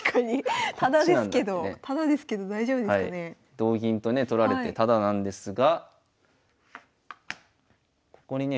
同銀とね取られてタダなんですがここにね